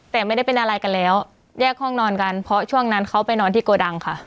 แต่ไม่ได้เป็นอะไรกันแล้วแยกห้องนอนกันเพราะช่วงนั้นเขาไปนอนที่โกดังค่ะ